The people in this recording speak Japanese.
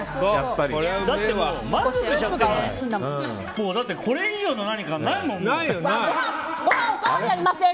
だってこれ以上の何かないもん。